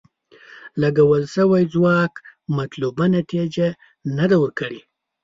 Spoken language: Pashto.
لګول شوی ځواک مطلوبه نتیجه نه ده ورکړې.